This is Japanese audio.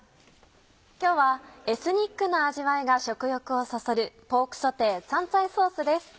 今日はエスニックな味わいが食欲をそそる「ポークソテー香菜ソース」です。